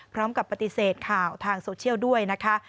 พร้อมกับปฏิเสธข่าวทางโซเชียลด้วยนะคะ